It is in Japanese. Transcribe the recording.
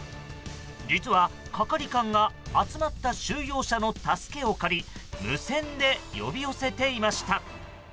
実は、係官が集まった収容者の助けを借り無線で呼び寄せていました。